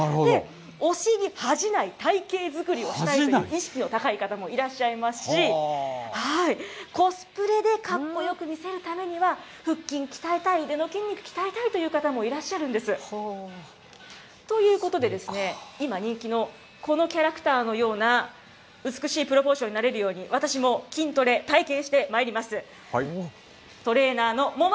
推しに恥じない体型作りをしたいという意識の高い方もいらっしゃいますし、コスプレでかっこよく見せるためには、腹筋鍛えたい、腕の筋肉鍛えたいという方もいらっしゃるんです。ということで、今、人気のこのキャラクターのような美しいプロポーションになれるように、私も筋トレ、体験してまいります。